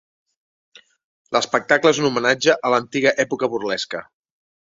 L'espectacle és un homenatge a l'antiga època burlesca.